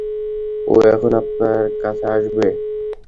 ও এখন আপনার কাছে আসবে।